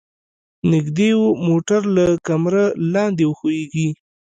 نږدې و موټر له کمره لاندې وښویيږي.